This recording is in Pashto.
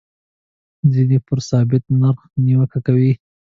ځینې پر ثابت نرخ نیوکه کوي.